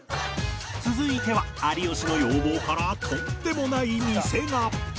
続いては有吉の要望からとんでもない店が